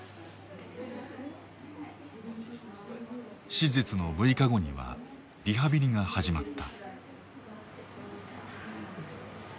手術の６日後にはリハビリが始まった。